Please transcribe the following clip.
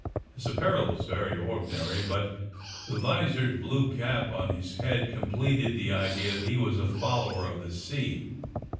His apparel was very ordinary, but the visored blue cap on his head completed the idea that he was a follower of the sea.